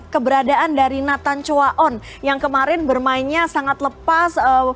keberadaan dari nathan chua on yang kemarin bermainnya sangat lepas